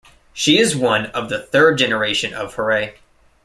She is one of the third generation of Horae.